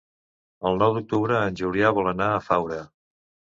El nou d'octubre en Julià vol anar a Faura.